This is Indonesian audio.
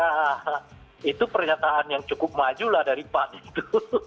nah itu pernyataan yang cukup maju lah dari pan itu